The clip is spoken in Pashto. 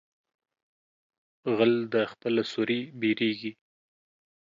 غل د خپله سوري بيرېږي.